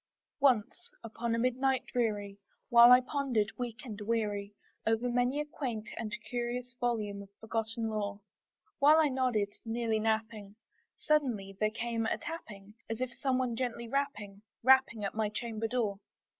Once upon a midnight dreary, while I pondered, weak and weary, Over many a quaint and curious volume of forgotten lore, While I nodded, nearly napping, suddenly there came a tapping, As of some one gently rapping rapping at my chamber door.